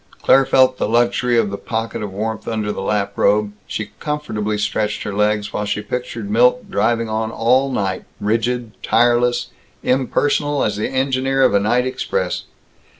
Claire felt the luxury of the pocket of warmth under the lap robe; she comfortably stretched her legs while she pictured Milt driving on all the night, rigid, tireless, impersonal as the engineer of a night express.